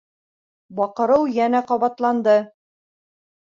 Баҡырыу йәнә ҡабатланды.